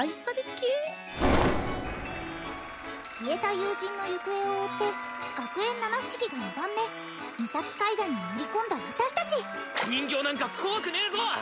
消えた友人の行方を追って学園七不思議が二番目ミサキ階段に乗り込んだ私達人形なんか怖くねーぞ！